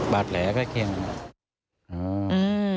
บาดแหลกก็เครียม